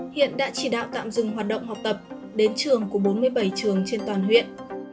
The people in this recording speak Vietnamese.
hiện đã chỉ đạo tạm dừng hoạt động học tập đến trường của bốn mươi bảy trường trên toàn huyện